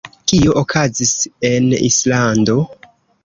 Kio okazis en Islando?